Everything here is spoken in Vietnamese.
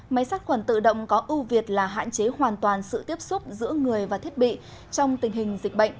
máy sát khuẩn tự động có ưu việt là hạn chế hoàn toàn sự tiếp xúc giữa người và thiết bị trong tình hình dịch bệnh